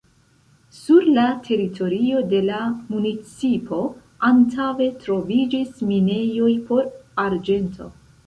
Sur la teritorio de la municipo antaŭe troviĝis minejoj por arĝento.